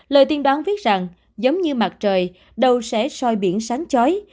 lời tiên đoán biết rằng giống như mặt trời đầu sẽ soi biển sáng chói